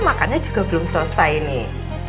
makannya juga belum selesai nih